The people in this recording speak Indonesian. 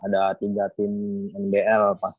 ada tiga tim nbl